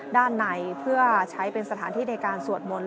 ด้านในเพื่อใช้เป็นสถานที่ในการสวดมนต์